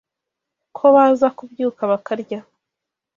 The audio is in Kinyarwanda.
ko baza kubyuka bakarya”